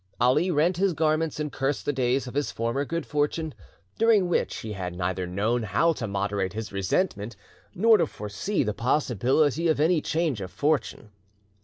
Ali rent his garments and cursed the days of his former good fortune, during which he had neither known how to moderate his resentment nor to foresee the possibility of any change of fortune.